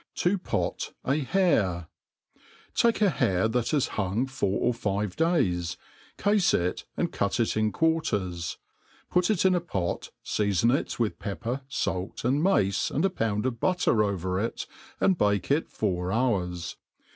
. Ta pot a Har€. \ TAKE a hare that has hung four or five days, cafe it, and 'cut it in quarters; put it in a pot, feafon it with pepper, falt^ and mace, and a pound of butter over it, and bake it four hours.